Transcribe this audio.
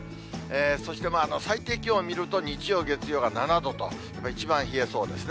そして最低気温を見ると、日曜、月曜が７度と一番冷えそうですね。